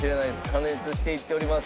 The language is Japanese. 加熱していっております。